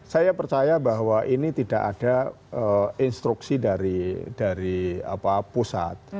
saya percaya bahwa ini tidak ada instruksi dari pusat